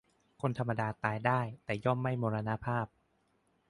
คนธรรมดาตายได้ แต่ย่อมไม่มรณภาพ